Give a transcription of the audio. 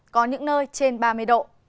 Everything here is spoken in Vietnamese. có những nơi trên ba mươi độ